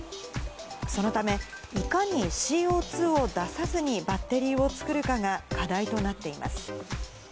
そのため、いかにＣＯ２を出さずにバッテリーを作るかが課題となっています。